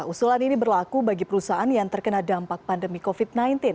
usulan ini berlaku bagi perusahaan yang terkena dampak pandemi covid sembilan belas